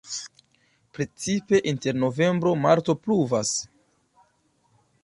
Precipe inter novembro-marto pluvas.